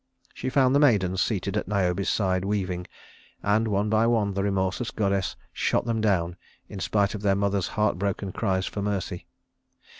She found the maidens seated at Niobe's side, weaving, and one by one the remorseless goddess shot them down in spite of their mother's heart broken cries for mercy.